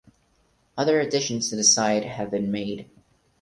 Other additions to the site have been made.